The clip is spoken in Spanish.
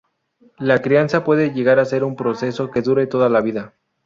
La crianza puede llegar a ser un proceso que dure toda la vida.